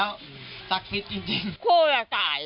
ไม่ชอบมาตาย